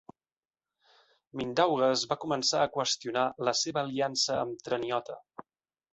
Mindaugas va començar a qüestionar la seva aliança amb Treniota.